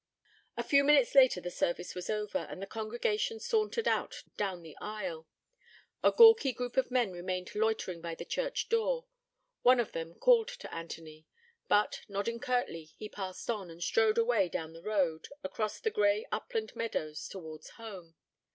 A few minutes later the service was over, and the congregation sauntered out down the aisle. A gawky group of men remained loitering by the church door: one of them called to Anthony; but, nodding curtly, he passed on, and strode away down the road, across the grey upland meadows, towards home.